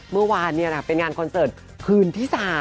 เมื่อวานเป็นงานคอนเสิร์ตคืนที่๓